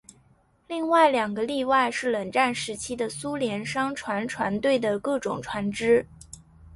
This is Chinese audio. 另外两个例外是冷战时期的苏联商船船队的各种船只。